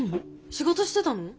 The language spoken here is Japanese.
仕事してたの？